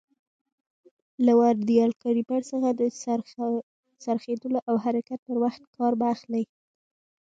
له ورنیر کالیپر څخه د څرخېدلو او حرکت پر وخت کار مه اخلئ.